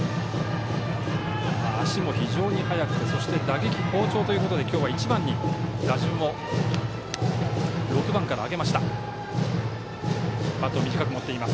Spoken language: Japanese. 足も非常に速くて打撃好調ということで今日は１番に打順を６番から上げました。